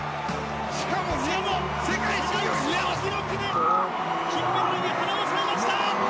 しかも世界新記録で金メダルに花を添えました。